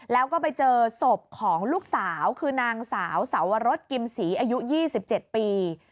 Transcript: แล้วก็ไปเจอศพของลูกสาวคือนางสาวสาวรสกิมศรีอายุ๒๗ปี